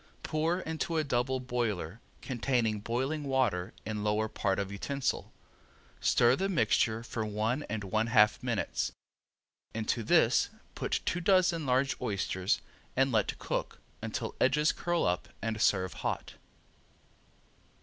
Pour into a double boiler containing boiling water in lower part of utensil. Stir the mixture for one and one half minutes. Into this put two dozen large oysters and let cook until edges curl up and serve hot.